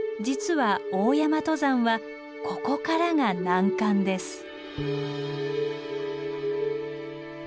実は大山登山はここからが難関です。